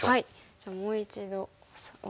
じゃあもう一度オシて。